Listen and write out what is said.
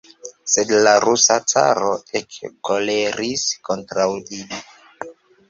Sed la rusa caro ekkoleris kontraŭ ili.